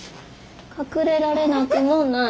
隠れられなくもない。